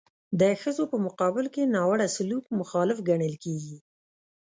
د ښځو په مقابل کې ناوړه سلوک مخالف ګڼل کیږي.